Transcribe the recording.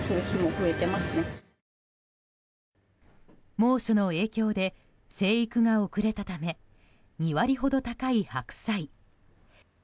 猛暑の影響で生育が遅れたため２割ほど高い白菜。